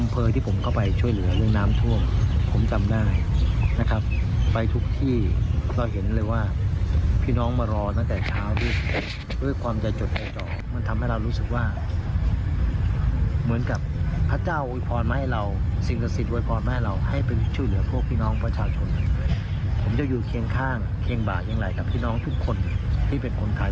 ผมจะอยู่เคียงข้างเคียงบากอย่างไรกับพี่น้องทุกคนที่เป็นคนไทย